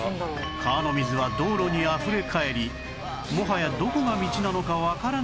川の水は道路にあふれかえりもはやどこが道なのかわからない状態に